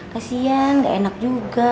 kasian gak enak juga